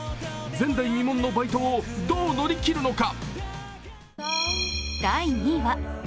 前代未聞のバイトをどう乗り切るのか。